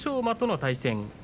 馬との対戦。